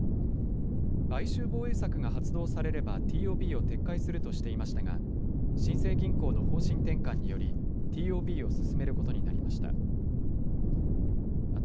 買収防衛策が発動されれば、ＴＯＢを撤回するとしていましたが、新生銀行の方針転換により、ＴＯＢを進めることになりました。